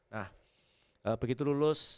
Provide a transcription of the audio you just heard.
nah begitu lulus